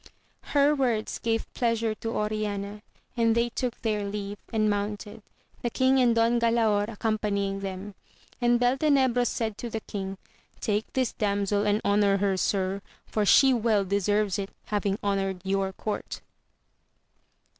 Her words gave pleasure to Oriana ; then they took their leave, and mounted, the king and Don Galaor accompanying them; and Beltenebros said to the king, Take this damsel and honour her, sir, for she well deserves it, having honoured your court.